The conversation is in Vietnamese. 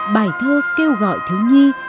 bài thơ kêu gọi thiếu nhi